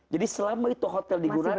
jadi selama itu hotel digunakan